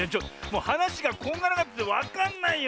はなしがこんがらがっててわかんないよ！